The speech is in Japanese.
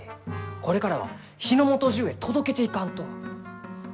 これからは日の本じゅうへ届けていかんと。